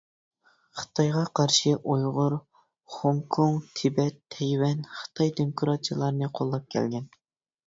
خىتايغا قارشى ئۇيغۇر خوڭكوڭ، تىبەت، تەيۋەن، خىتاي دېموكراتچىلارنى قوللاپ كەلگەن.